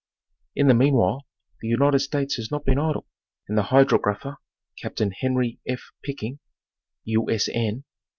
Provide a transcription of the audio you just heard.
In the meanwhile, the United States has not been idle, and the Hydrographer, Captain Henry F. Picking, U. 8. N.